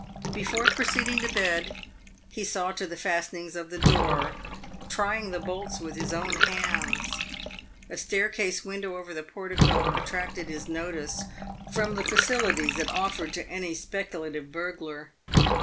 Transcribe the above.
Before proceeding to bed, he saw to the fasten ings of the door, trying the bolts with his own hands. A staircase window over the portico attracted his notice from the facilities it offered to any speculative burglar.